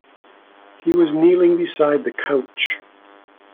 He was kneeling beside the couch.